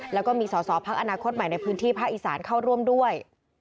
แล้วก็มีสอสอพักอนาคตใหม่ในพื้นที่ภาคอีสานเข้าร่วมด้วย